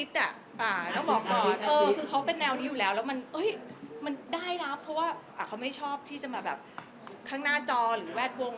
ต้องบอกก่อนคือเขาเป็นแนวนี้อยู่แล้วแล้วมันได้รับเพราะว่าเขาไม่ชอบที่จะมาแบบข้างหน้าจอหรือแวดวง